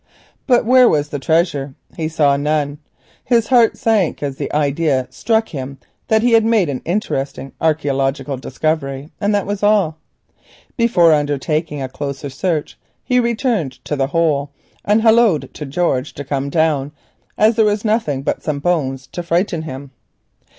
But where was the treasure? He saw none. His heart sank as the idea struck him that he had made an interesting archaeological discovery, and that was all. Before undertaking a closer search he went under the hole and halloaed to George to come down as there was nothing but some bones to frighten him.